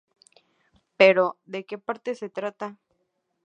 Pero, ¿de que parte se trata?